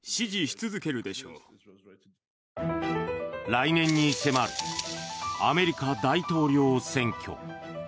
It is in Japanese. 来年に迫るアメリカ大統領選挙。